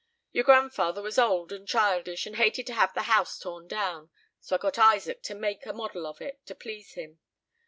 Your grandfather was old and childish, and hated to have the house torn down; so I got Isaac to make a model of it, to please him.